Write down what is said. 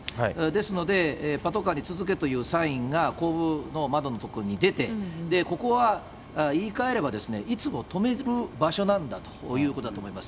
ですので、パトカーに続けというサインが後方の窓の所に出て、ここは言い換えれば、いつも止める場所なんだということだと思います。